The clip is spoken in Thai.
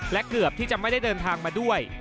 และเกือบที่จะไม่ได้เดินทางมาด้วย